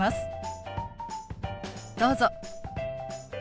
どうぞ。